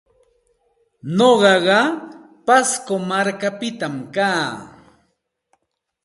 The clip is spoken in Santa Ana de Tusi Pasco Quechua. Nuqaqa Pasco markapita kaa.